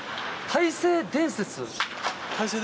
大勢伝説。